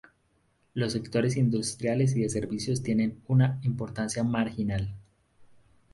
Los sectores industriales y de servicios tienen una importancia marginal.